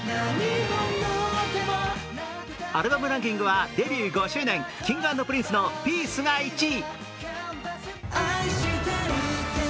アルバムランキングは、デビュー５周年Ｋｉｎｇ＆Ｐｒｉｎｃｅの「ピース」が１位。